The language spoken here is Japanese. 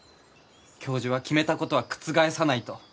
教授は決めたことは覆さないと。